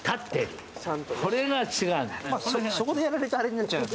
そこでやられるとあれになっちゃうんですね。